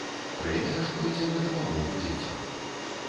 Прэмія ж пойдзе на дапамогу дзецям.